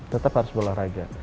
tetap harus berolahraga